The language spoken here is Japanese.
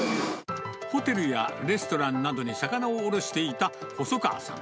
ホテルやレストランなどに魚を卸していた細川さん。